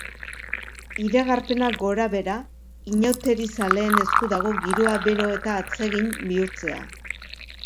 Iragarpena gorabehera, inauterizaleen esku dago giroa bero eta atsegin bihurtzea.